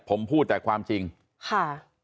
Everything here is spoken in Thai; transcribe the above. ผมพูดแต่ความจริงค่ะ